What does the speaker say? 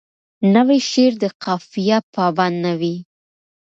نوی شعر د قافیه پابند نه وي.